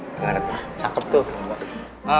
gara gara cakep tuh